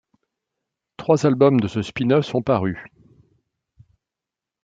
Trois albums de ce spin-off sont parus.